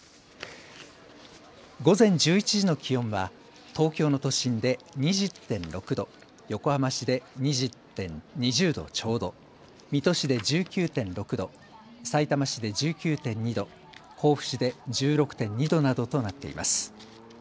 午前１１時の気温は東京の都心で２０．６度、横浜市で２０度ちょうど、水戸市で１９．６度、さいたま市で１９．２度、甲府市で１６．２度などとなっています。